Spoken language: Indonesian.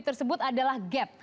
tersebut adalah gap